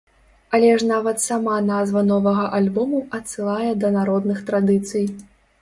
Але ж нават сама назва новага альбому адсылае да народных традыцый.